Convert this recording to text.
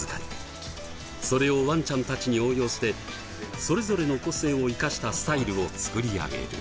それをワンちゃんたちに応用してそれぞれの個性を生かしたスタイルを作り上げる。